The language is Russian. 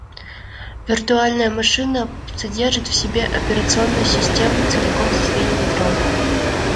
Виртуальная машина содержит в себе операционную систему целиком со своим ядром